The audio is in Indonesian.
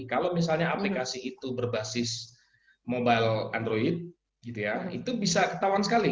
kalau misalnya aplikasi itu berbasis mobile android gitu ya itu bisa ketahuan sekali